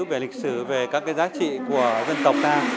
về lịch sử về các cái giá trị của dân tộc ta